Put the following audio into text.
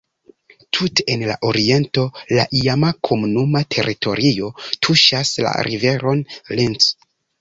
Tute en la oriento la iama komunuma teritorio tuŝas la riveron Linth.